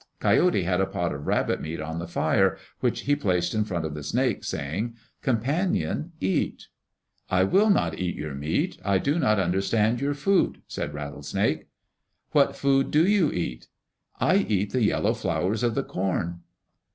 Coyote had a pot of rabbit meat on the fire, which he placed in front of the snake, saying, "Companion, eat." "I will not eat your meat. I do not understand your food," said Rattlesnake. "What food do you eat?" "I eat the yellow flowers of the corn."